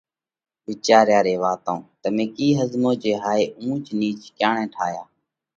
وِيچاريا ري واتون تمي ڪِي ۿزموه جي هائِي اُونچ نِيچ ڪيڻئہ ٺاياه؟